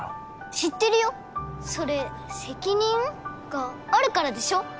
知ってるよそれセキニン？があるからでしょ？